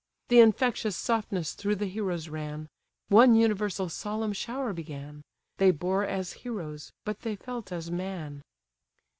The infectious softness through the heroes ran; One universal solemn shower began; They bore as heroes, but they felt as man.